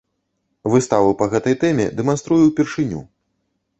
Выставу па гэтай тэме дэманструю ўпершыню.